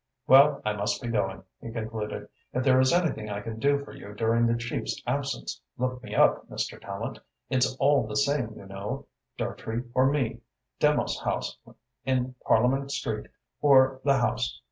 "Well, I must be going," he concluded. "If there is anything I can do for you during the chief's absence, look me up, Mr. Tallente. It's all the same, you know Dartrey or me Demos House in Parliament Street, or the House.